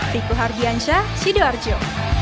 siku harjiansyah sido arjo